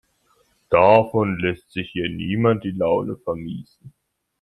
Davon lässt sich hier niemand die Laune vermiesen.